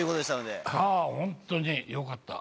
本当によかった。